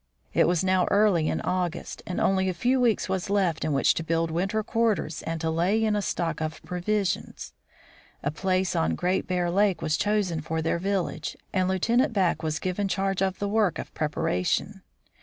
It was now early in August, and only a few weeks were left in which to build winter quarters and to lay in a stock of provisions. A place on Great Bear lake was chosen for their village, and Lieutenant Back was given charge of the work of prepa ration.